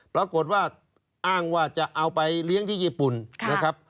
ปรากฏว่าอ้างว่าจะเอาไปเลี้ยงที่ญี่ปุ่นนะครับ